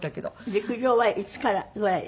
陸上はいつからぐらい。